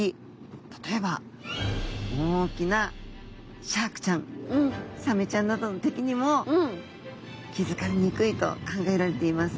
例えば大きなシャークちゃんサメちゃんなどの敵にも気付かれにくいと考えられています。